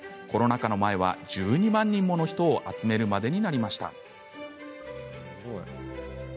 コロナ禍の前は１２万人もの人を集めるまでになりました。